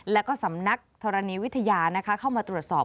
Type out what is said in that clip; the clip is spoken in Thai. แล้วก็สำนักธรณีวิทยาเข้ามาตรวจสอบ